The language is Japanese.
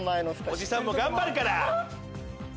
おじさんも頑張るから。